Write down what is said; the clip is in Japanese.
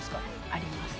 あります。